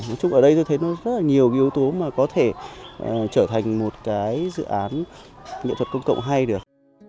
nói chung ở đây tôi thấy rất là nhiều yếu tố mà có thể trở thành một dự án nghệ thuật công cộng hay được